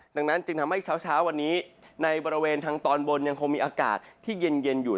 ดังนั้นจึงทำให้เช้าวันนี้ในบริเวณทางตอนบนยังคงมีอากาศที่เย็นอยู่